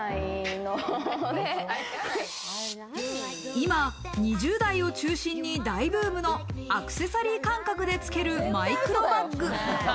今、２０代を中心に大ブームのアクセサリー感覚でつけるマイクロバッグ。